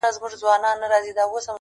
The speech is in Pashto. دړي وړي زړه مي رغومه نور ،